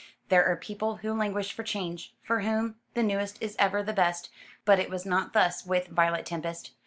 There are people who languish for change, for whom the newest is ever the best; but it was not thus with Violet Tempest.